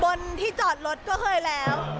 บนที่จอดรถก็เคยแล้ว